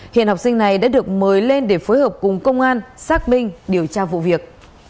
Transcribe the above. hiện học sinh này đã được mời lên để phối hợp cùng công an xác minh điều tra vụ việc